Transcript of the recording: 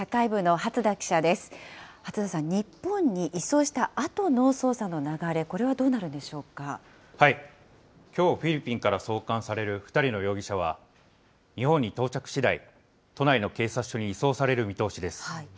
初田さん、日本に移送したあとの捜査の流れ、これはどうなるんできょう、フィリピンから送還される２人の容疑者は、日本に到着しだい、都内の警察署に移送される見通しです。